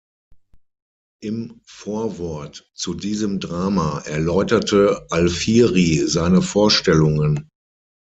Im Vorwort zu diesem Drama erläuterte Alfieri seine Vorstellungen.